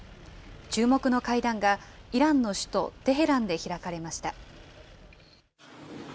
注目の会談が、イランの首都テヘランで開かれました。